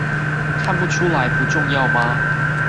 看不出來不重要嗎？